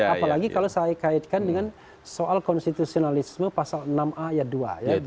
apalagi kalau saya kaitkan dengan soal konstitusionalisme pasal enam ayat dua ya